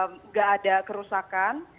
nggak ada kerusakan